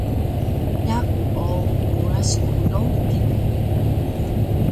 Yaku o Kuras ku Lowking